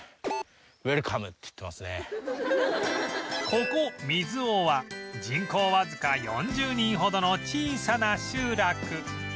ここ水尾は人口わずか４０人ほどの小さな集落